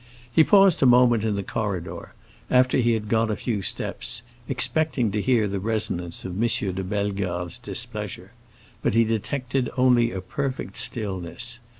He paused a moment in the corridor, after he had gone a few steps, expecting to hear the resonance of M. de Bellegarde's displeasure; but he detected only a perfect stillness.